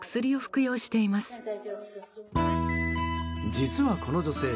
実はこの女性